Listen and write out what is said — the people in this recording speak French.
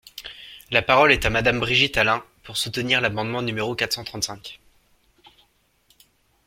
La parole est à Madame Brigitte Allain, pour soutenir l’amendement numéro quatre cent trente-cinq.